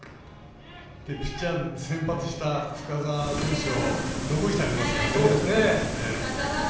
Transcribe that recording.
ピッチャー先発した深沢選手を残してありますからね。